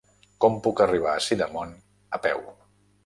Com puc arribar a Sidamon a peu?